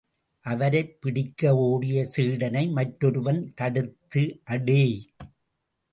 அவரைப் பிடிக்க ஒடிய சீடனை மற்றொருவன் தடுத்து, அடேய்!